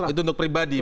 itu untuk pribadi